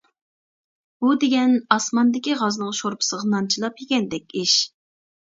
بۇ دېگەن ئاسماندىكى غازنىڭ شورپىسىغا نان چىلاپ يېگەندەك ئىش.